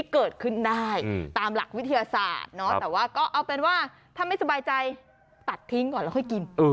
ก็เอาเป็นว่าถ้ามันสบายใจตัดทิ้งก่อนแล้วก็ค่อยกิน